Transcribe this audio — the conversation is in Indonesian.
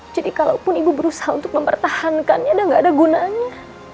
jadi kalaupun ibu berusaha untuk mempertahankannya dan gak ada gunanya